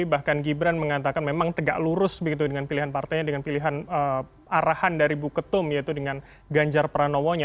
bahkan gibran mengatakan memang tegak lurus begitu dengan pilihan partainya dengan pilihan arahan dari bu ketum yaitu dengan ganjar pranowonya